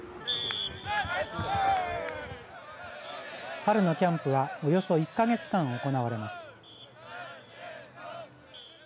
春のキャンプはおよそ１か月間行われます。